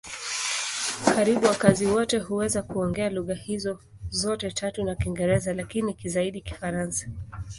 Karibu wakazi wote huweza kuongea lugha hizo zote tatu na Kiingereza, lakini zaidi Kifaransa.